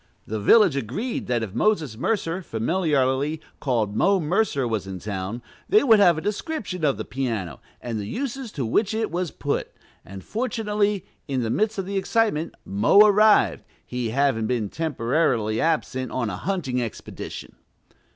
The "village" agreed that if Moses Mercer, familiarly called "Mo Mercer," was in town, they would have a description of the piano, and the uses to which it was put; and, fortunately, in the midst of the excitement "Mo" arrived, he having been temporarily absent on a hunting expedition.